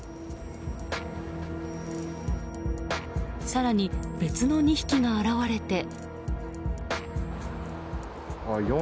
更に別の２匹が現れて。